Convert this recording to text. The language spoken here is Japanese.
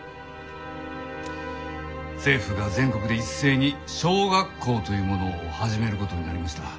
政府が全国で一斉に小学校というものを始めることになりました。